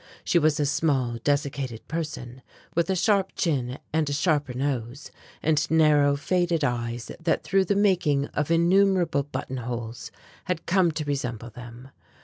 She was a small desiccated person, with a sharp chin and a sharper nose, and narrow faded eyes that through the making of innumerable buttonholes had come to resemble them.